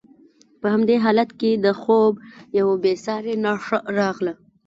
په همدې حالت کې د خوب یوه بې ساري نښه راغله.